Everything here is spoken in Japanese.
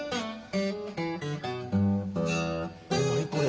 何これ。